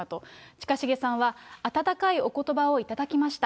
近重さんは、温かいおことばを頂きました。